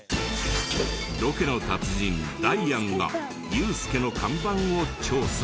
ロケの達人ダイアンがユースケの看板を調査。